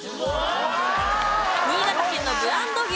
新潟県のブランド牛。